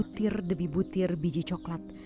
tapi tidak semangat